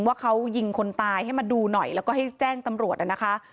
ว่าเขายิงคนตายให้มาดูหน่อยแล้วก็ให้แจ้งตำรวจนะคะ